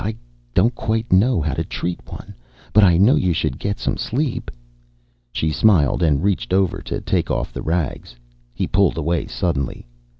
I don't quite know how to treat one. But I know you should get some sleep." She smiled and reached over to take off the rags. He pulled away suddenly.